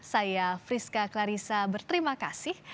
saya friska clarissa berterima kasih